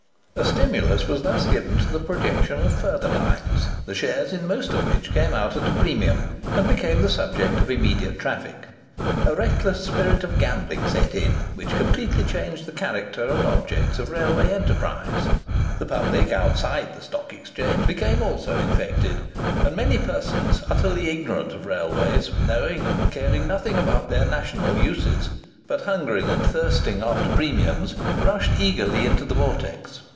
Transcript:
A stimulus was thus given to the projection of further lines, the shares in most of which came out at a premium, and became the subject of immediate traffic. A reckless spirit of gambling set in, which completely changed the character and objects of railway enterprise. The public outside the Stock Exchange became also infected, and many persons utterly ignorant of railways, knowing and caring nothing about their national uses, but hungering and thirsting after premiums, rushed eagerly into the vortex.